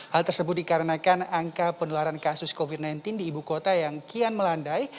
hal tersebut dikarenakan angka penularan kasus covid sembilan belas di ibu kota yang kian melandai